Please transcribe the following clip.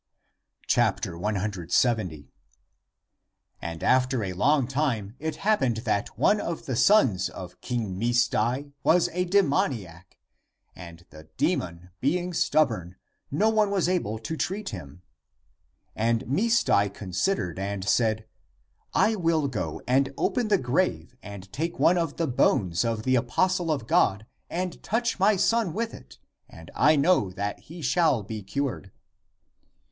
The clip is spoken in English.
170. And after a long time it happened that one of the sons of King Misdai was a demoniac; and the demon being stubborn, no one was able to treat him. And Misdai considered and said, " I will go and open the grave and take one of the bones of the apostle of God and touch my son with it, and I know that he shall be cured."